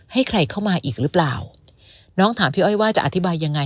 ให้ใครเข้ามาอีกหรือเปล่าน้องถามพี่อ้อยว่าจะอธิบายยังไง